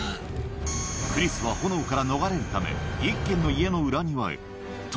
クリスは炎から逃れるため、一軒の家の裏庭へ。